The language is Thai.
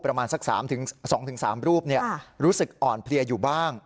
ประมาณสัก๓๒๓รูปรู้สึกอ่อนเพลียอยู่บ้าง